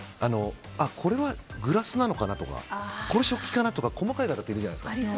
これはグラスなのかなとかこれは食器かなとか細かい方、いるじゃないですか。